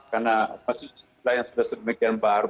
karena setelah yang sudah sedemikian baru